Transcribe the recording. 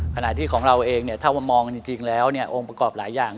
ขณะที่ของเราเองถ้าว่ามองจริงแล้วองค์ประกอบหลายอย่าง